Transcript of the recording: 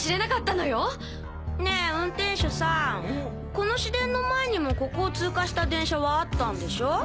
この市電の前にもここを通過した電車はあったんでしょ？